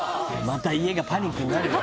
また家がパニックになるよ！